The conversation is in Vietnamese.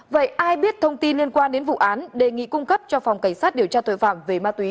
vậy ai biết thông tin liên quan đến vụ án đề nghị cung cấp cho phòng cảnh sát điều tra tội phạm về ma túy